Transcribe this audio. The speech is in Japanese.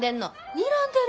にらんでる？